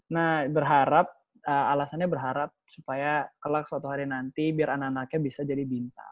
nah berharap alasannya berharap supaya kelak suatu hari nanti biar anak anaknya bisa jadi bintang